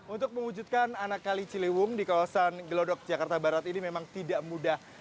untuk mewujudkan anak kali ciliwung di kawasan gelodok jakarta barat ini memang tidak mudah